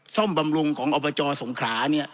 บำรุงของอบจสงขลาเนี่ย